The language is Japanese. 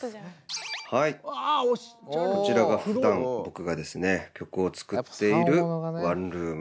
はいこちらがふだん僕がですね曲を作っているワンルームです。